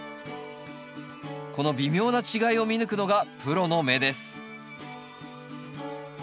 この微妙な違いを見抜くのがプロの目です